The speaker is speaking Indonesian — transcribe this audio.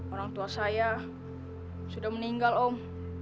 orang tua saya sudah meninggal om